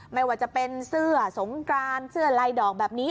ไม่ว่าจะเป็นเสื้อสงกรานเสื้อลายดอกแบบนี้